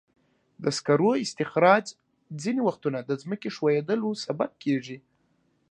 د سکرو استخراج ځینې وختونه د ځمکې ښویېدلو سبب کېږي.